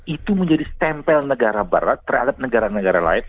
itu menjadi stempel negara barat terhadap negara negara lain